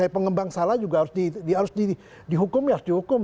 saya pengembang saya pengembang salah juga harus dihukum